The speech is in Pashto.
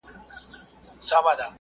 هر انسان لره معلوم خپل عاقبت وي